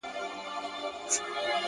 هر منزل د باور غوښتنه کوي.!